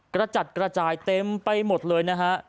กระจัดกระจายเต็มไปหมดเลยนะฮะ